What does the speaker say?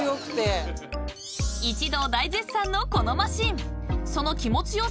［一同大絶賛のこのマシン］